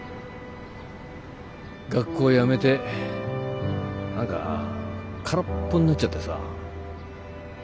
学校辞めて何か空っぽになっちゃってさ。